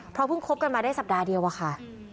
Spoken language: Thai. เพราะเพิ่งคบกันมาได้สัปดาห์เดียวอะค่ะ